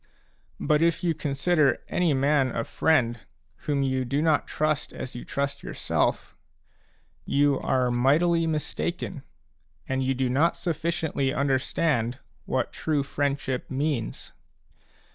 But if you consider any man a friend whom you do not trust as you trust yourself, you are mightily mistaken and you do not sufficiently understand what true friend ship means.